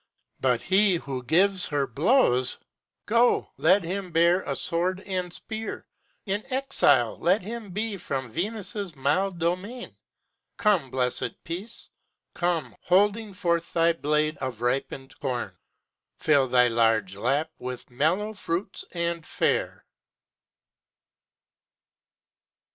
But he who gives her blows! Go, let him bear A sword and spear! In exile let him be From Venus' mild domain! Come blessed Peace! Come, holding forth thy blade of ripened corn! Fill thy large lap with mellow fruits and fair!